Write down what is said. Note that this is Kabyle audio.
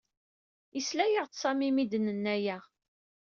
Yeslaɣ-d Sami mi d-nenna aya.